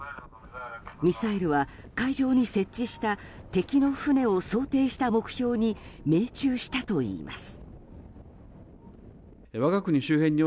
ミサイルは海上に設置した敵の船を想定した目標に命中したといいます。